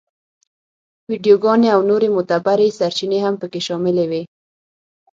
ویډیوګانې او نورې معتبرې سرچینې هم په کې شاملې وې.